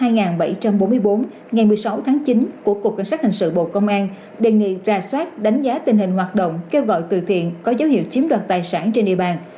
ngày một mươi sáu tháng chín của cục cảnh sát hình sự bộ công an đề nghị ra soát đánh giá tình hình hoạt động kêu gọi từ thiện có dấu hiệu chiếm đoạt tài sản trên địa bàn